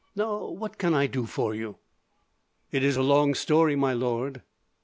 "Now, what can I do for you?" "It is a long story, my lord."